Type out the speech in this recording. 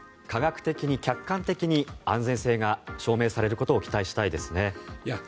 科学的に客観的に安全性が証明されることを期待したいですね。